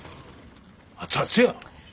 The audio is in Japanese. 熱々や！